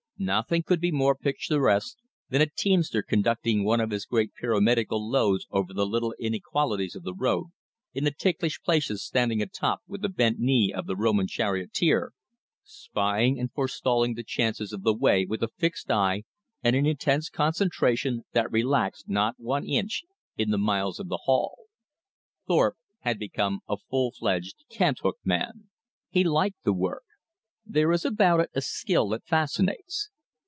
Nothing could be more picturesque than a teamster conducting one of his great pyramidical loads over the little inequalities of the road, in the ticklish places standing atop with the bent knee of the Roman charioteer, spying and forestalling the chances of the way with a fixed eye and an intense concentration that relaxed not one inch in the miles of the haul. Thorpe had become a full fledged cant hook man. He liked the work. There is about it a skill that fascinates.